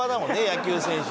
野球選手。